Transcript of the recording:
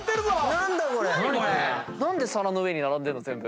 何で皿の上に並んでるの？